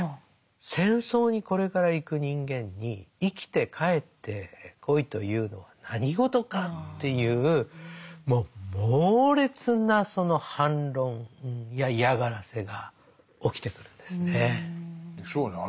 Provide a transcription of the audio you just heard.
戦争にこれから行く人間に生きて帰ってこいというのは何事かっていうもう猛烈な反論や嫌がらせが起きてくるんですね。でしょうね。